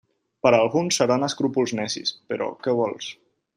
Per a alguns seran escrúpols necis, però què vols?